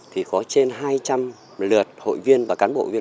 thì có trên hai trăm linh lượt hội viên và cán bộ viên